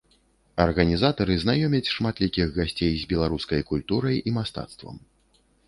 Арганізатары знаёмяць шматлікіх гасцей з беларускай культурай і мастацтвам.